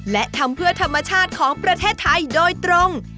และทำเพื่อธรรมชาติของประเทศไทยโดยตรง